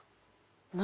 「何？